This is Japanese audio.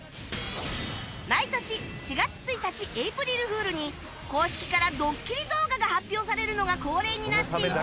毎年４月１日エイプリルフールに公式からドッキリ動画が発表されるのが恒例になっていて